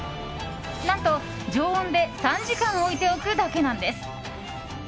何と、常温で３時間置いておくだけなんです。